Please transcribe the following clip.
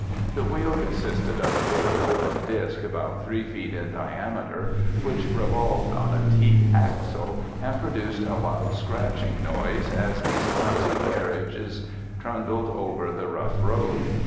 The wheel consisted of a big wooden disc about 3 feet in diameter, which revolved on a teak axle, and produced a loud scratching noise as these clumsy carriages trundled over the rough road.